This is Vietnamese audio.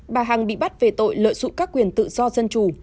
bà hằng bị bắt về tội lợi dụng các quyền tự do dân chủ